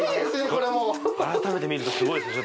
これもう改めて見るとすごいですね